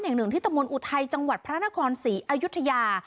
หนึ่งที่ตะโมนอุทัยจังหวัดพระนคร๔อายุทยา